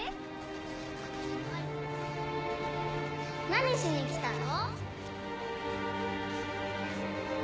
何しに来たの？